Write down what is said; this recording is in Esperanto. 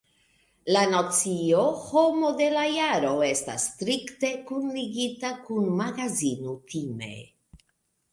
La nocio Homo de la Jaro estas strikte kunligita kun magazino Time.